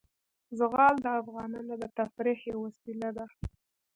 زغال د افغانانو د تفریح یوه وسیله ده.